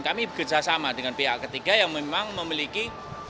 kami bekerjasama dengan pihak ketiga yang memang memiliki